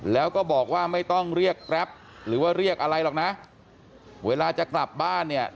แล้วก็บอกว่าไม่ต้องเรียกแกรปหรือว่าเรียกอะไรหรอกนะเวลาจะกลับบ้านเนี่ย